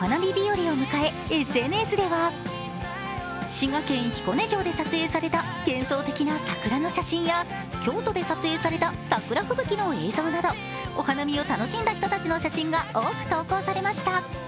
滋賀県・彦根城で撮影された幻想的な桜の写真や、京都で撮影された桜吹雪の映像などお花見を楽しんだ人たちの写真が多く投稿されました。